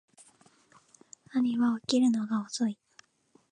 兄は起きるのが遅い